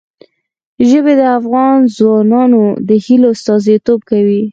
ژبې د افغان ځوانانو د هیلو استازیتوب کوي.